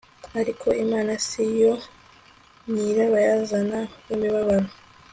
Ariko Imana si yo nyirabayazana wimibabaro